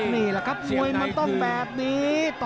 ปลายยกสี่